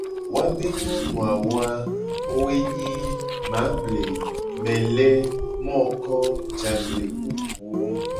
Woabe nyonu awo a wo ye nyi : mable, mele, moko, jagble, ku buwo.